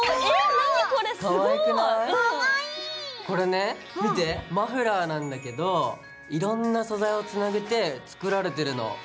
これね見てマフラーなんだけどいろんな素材をつなげて作られてるの。